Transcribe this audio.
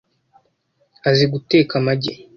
Azi guteka amagi .